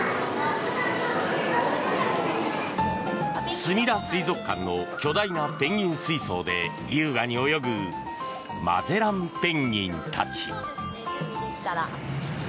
すみだ水族館の巨大なペンギン水槽で優雅に泳ぐマゼランペンギンたち。